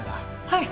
はい！